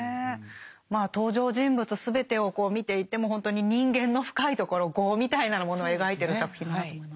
まあ登場人物全てをこう見ていてもほんとに人間の深いところ業みたいなものを描いてる作品だと思いますね。